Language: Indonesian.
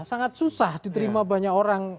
sangat susah diterima banyak orang